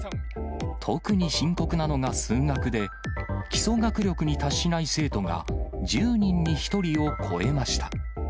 特に深刻なのが数学で、基礎学力に達しない生徒が１０人に１人を超えました。